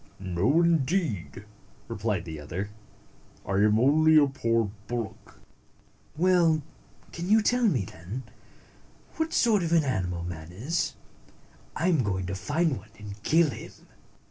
"No, indeed," replied the other; "I am only a poor bullock." 136 "Well, can you tell me, then, what sort of an animal man is? I am going to find one and kill him."